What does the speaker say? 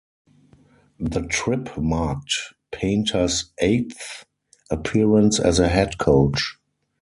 The trip marked Painter's eighth appearance as a head coach.